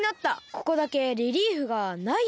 ここだけレリーフがないよね。